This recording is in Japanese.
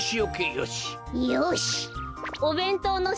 よし！